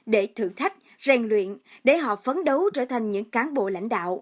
để thử thách rèn luyện để họ phấn đấu trở thành những cán bộ lãnh đạo